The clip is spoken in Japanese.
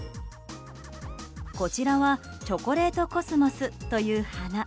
こちらはチョコレートコスモスという花。